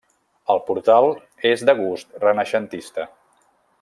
El portal és de gust renaixentista.